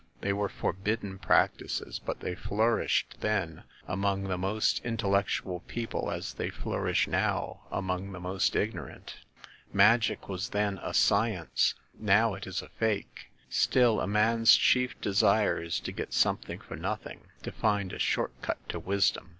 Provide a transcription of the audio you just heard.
They were forbidden practises, but they flourished then among the most in tellectual people as they flourish now among the most ignorant. Magic was then a science, now it is a fake. Still, a man's chief desire is to get something for noth ing,‚ÄĒ to find a short cut to wisdom.